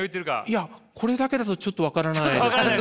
いやこれだけだとちょっと分からないですね。